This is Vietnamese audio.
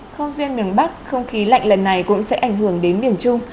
không riêng miền bắc không khí lạnh lần này cũng sẽ ảnh hưởng đến miền trung